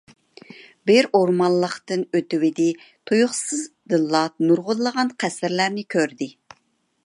بىر ئورمانلىقتىن ئۆتۈۋىدى، تۇيۇقسىزدىنلا نۇرغۇنلىغان قەسىرلەرنى كۆردى.